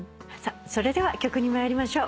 それでは曲に参りましょう。